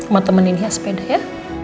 mau temenin dia sepeda ya